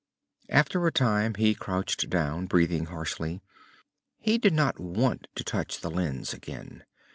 After a time he crouched down, breathing harshly. He did not want to touch the lens again.